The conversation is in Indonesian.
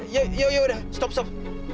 ya yaudah stop stop